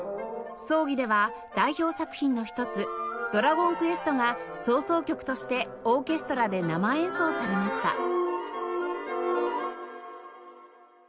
葬儀では代表作品の一つ『ドラゴンクエスト』が葬送曲としてオーケストラで生演奏されました